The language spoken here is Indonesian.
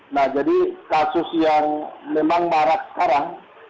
nah jadi kasus yang memang marak sekarang